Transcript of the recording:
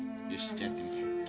じゃあやってみて。